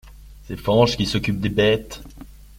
C’est Fañch qui s’occupe des bêtes.